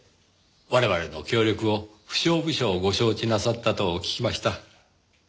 我々の協力を不承不承ご承知なさったと聞きました。